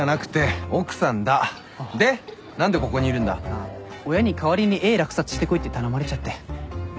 あっ親に代わりに絵落札してこいって頼まれちゃって。